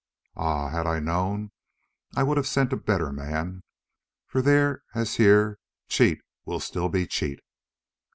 Ah! had I known, I would have sent a better man, for there as here Cheat will still be Cheat.